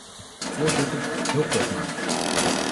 Voorzitter, heel kort maar.